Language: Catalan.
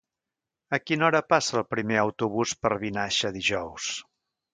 A quina hora passa el primer autobús per Vinaixa dijous?